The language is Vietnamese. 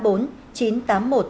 bảo hộ công dân